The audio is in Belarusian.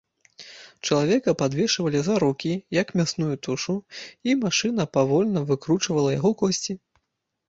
Чалавека падвешвалі за рукі, як мясную тушу, і машына павольна выкручвала яго косці.